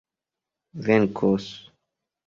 venkos